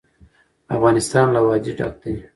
افغانستان له وادي ډک دی.